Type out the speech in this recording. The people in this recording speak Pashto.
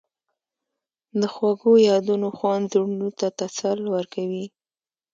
د خوږو یادونو خوند زړونو ته تسل ورکوي.